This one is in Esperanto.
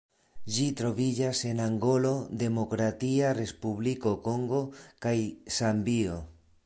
Ĝi troviĝas en Angolo, Demokratia Respubliko Kongo kaj Zambio.